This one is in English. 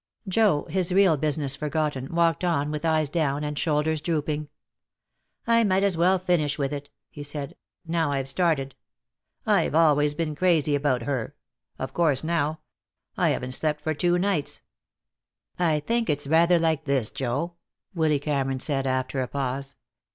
Joe, his real business forgotten, walked on with eyes down and shoulders drooping. "I might as well finish with it," he said, "now I've started. I've always been crazy about her. Of course now I haven't slept for two nights." "I think it's rather like this, Joe," Willy Cameron said, after a pause.